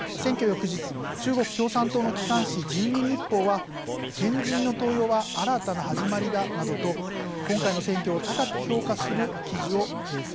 翌日中国共産党の機関紙「人民日報」は「賢人の登用は新たな始まりだ」などと今回の選挙を高く評価する記事を掲載しています。